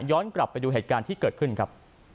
กลับไปดูเหตุการณ์ที่เกิดขึ้นครับ